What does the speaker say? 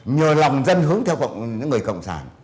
nhờ lòng dân hướng theo người cộng sản